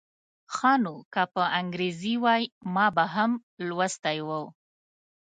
ښه نو که په انګریزي وای ما به هم لوستی و.